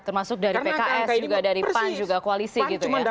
termasuk dari pks juga dari pan juga koalisi gitu ya